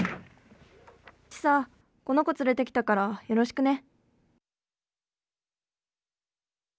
チサこの子連れてきたからよろしくね。